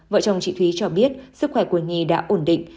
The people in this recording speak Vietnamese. vợ chồng chị thúy cho biết sức khỏe của nhi đã ổn định